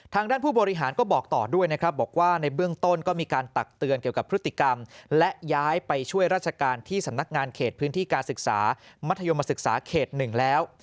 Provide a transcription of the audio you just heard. ทางด้านผู้บริหารก็บอกต่อด้วยนะครับบอกว่าในเบื้องต้นก็มีการตักเตือนเกี่ยวกับพฤติกรรมและย้ายไปช่วยราชการที่สำนักงานเขตพื้นที่การศึกษามัธยมศึกษาเขต๑แล้ว